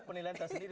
ternyata bukan gitu